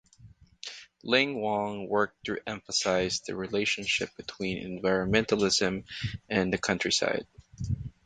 Ling Wong worked to emphasise the relationship between environmentalism and the countryside.